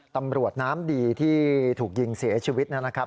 ตำรวจน้ำดีที่ถูกยิงเสียชีวิตนะครับ